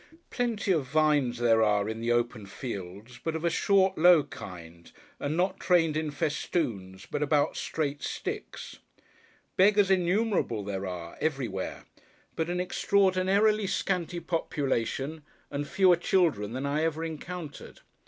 Plenty of vines there are in the open fields, but of a short low kind, and not trained in festoons, but about straight sticks. Beggars innumerable there are, everywhere; but an extraordinarily scanty population, and fewer children than I ever encountered.